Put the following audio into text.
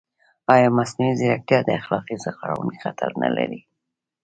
ایا مصنوعي ځیرکتیا د اخلاقي سرغړونې خطر نه لري؟